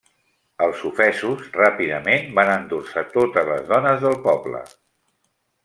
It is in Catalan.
Els ofesos ràpidament van endur-se totes les dones del poble.